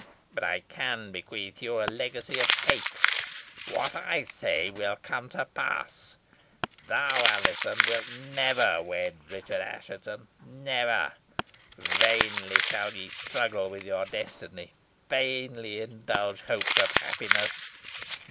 But I can bequeath you a legacy of hate. What I say will come to pass. Thou, Alizon, wilt never wed Richard Assheton never! Vainly shall ye struggle with your destiny vainly indulge hopes of happiness.